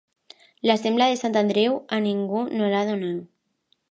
La sembra de Sant Andreu a ningú no la doneu.